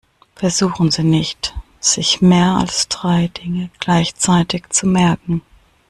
Versuchen Sie nicht, sich mehr als drei Dinge gleichzeitig zu merken.